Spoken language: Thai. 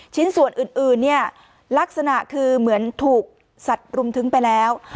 ชิ้นส่วนอื่นเนี่ยลักษณะคือเหมือนถูกสัตว์รุมทึ้งไปแล้ว